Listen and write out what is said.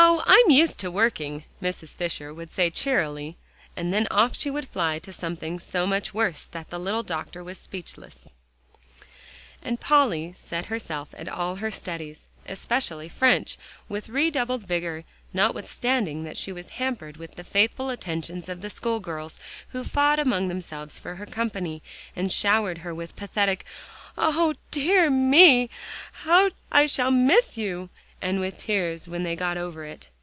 I'm used to working," Mrs. Fisher would say cheerily, and then off she would fly to something so much worse that the little doctor was speechless. And Polly set herself at all her studies, especially French, with redoubled vigor, notwithstanding that she was hampered with the faithful attentions of the schoolgirls who fought among themselves for her company, and showered her with pathetic "O dear me ow I shall miss you," and with tears when they got over it.